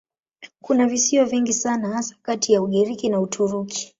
Kuna visiwa vingi sana hasa kati ya Ugiriki na Uturuki.